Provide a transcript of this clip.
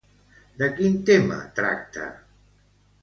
De quin tema tracta?